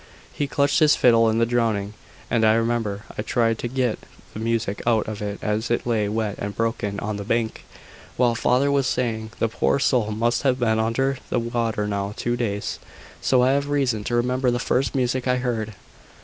He clutched his fiddle in drowning; and I remember I tried to get the music out of it as it lay wet and broken on the bank, while father was saying the poor soul must have been under the water now two days. So I have reason to remember the first music I heard."